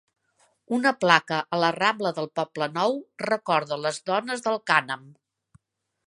Una placa a la rambla del Poblenou recorda les dones del Cànem.